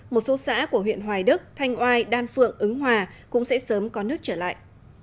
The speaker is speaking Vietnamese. một số xã của huyện hoài đức thanh oai đan phượng ứng hòa cũng sẽ sớm có nước trở lại